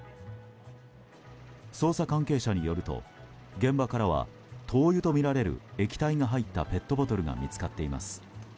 捜査関係者によると現場からは灯油とみられる液体が入ったペットボトルが見つかっています。